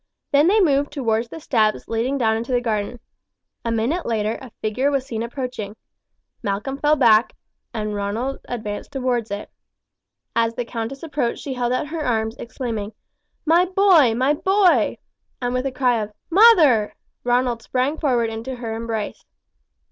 Then they moved towards the steps leading down into the garden. A minute later a figure was seen approaching. Malcolm fell back, and Ronald advanced towards it. As the countess approached she held our her arms, exclaiming: "My boy, my boy!" and with a cry of "Mother!" Ronald sprang forward into her embrace.